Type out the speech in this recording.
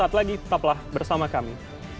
saat lagi tetaplah bersama kami